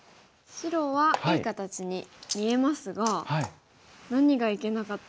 白はいい形に見えますが何がいけなかったんですか？